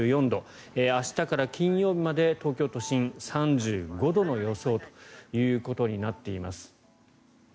明日から金曜日まで、東京都心３５度の予想となっています。